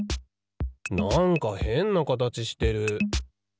なんかへんなかたちしてる。